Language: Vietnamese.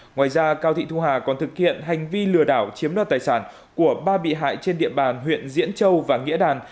ngoài ra cao thị thu hà còn thực hiện hành vi lừa đảo chiếm đoạt tài sản của ba bị hại trên địa bàn huyện diễn châu và nghĩa đàn